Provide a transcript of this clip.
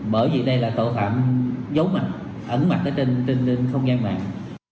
bởi vì đây là tội phạm giấu mặt ẩn ở trên không gian mạng